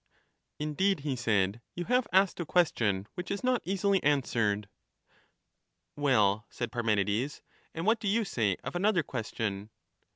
Indeed, he said, you have asked a question which is not easily answered. Well, said Parmenides, and what do you say of another question